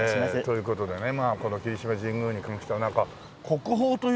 という事でねまあこの霧島神宮に関してはなんか国宝という事ですよね？